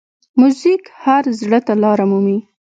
موزیک هر زړه ته لاره مومي.